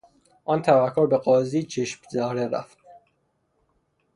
آن تبهکار به قاضی چشم زهره رفت.